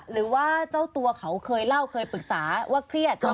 หรือว่าเจ้าตัวเขาเคยเล่าเคยปรึกษาว่าเครียด